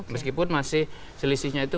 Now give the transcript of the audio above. meskipun masih selisihnya itu